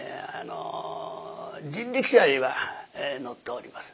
人力車には乗っております。